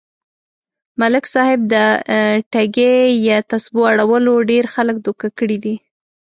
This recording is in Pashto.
ملک صاحب د ټگۍ يه تسبو اړولو ډېر خلک دوکه کړي دي.